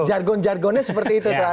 jargon jargonnya seperti itu tuh ada mas bas